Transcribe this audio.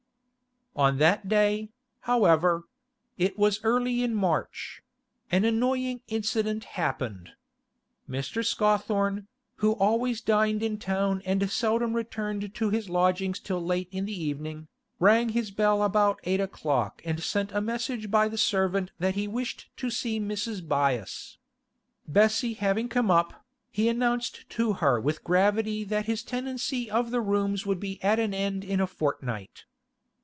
On that day, however—it was early in March—an annoying incident happened. Mr. Scawthorne, who always dined in town and seldom returned to his lodgings till late in the evening, rang his bell about eight o'clock and sent a message by the servant that he wished to see Mrs. Byass. Bessie having come up, he announced to her with gravity that his tenancy of the rooms would be at an end in a fortnight.